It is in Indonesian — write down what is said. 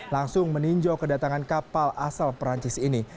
langsung meninjau kedatangan kapal asal perancis ini